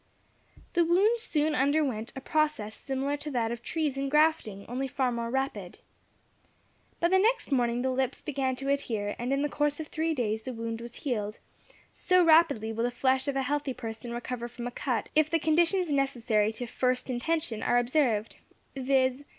The wound soon underwent a process similar to that of trees in grafting, only far more rapid. By the next morning the lips began to adhere, and in the course of three days the wound was healed so rapidly will the flesh of a healthy person recover from a cut if the conditions necessary to "first intention" are observed, viz.